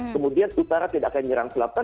kemudian utara tidak akan menyerang selatan